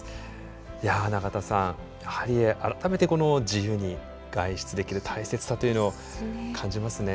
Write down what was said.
いや永田さんやはり改めて自由に外出できる大切さというのを感じますね。